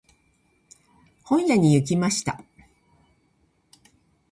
本屋に行きました。